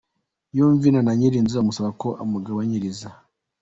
yumvina na nyirinzu amusaba ko amugabanyiriza.